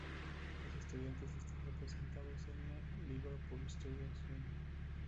Los estudiantes están representados en la Liverpool Students' Union.